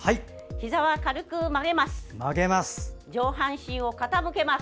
ひざは軽く曲げます。